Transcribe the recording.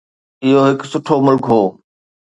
اهو هڪ سٺو ملڪ هو.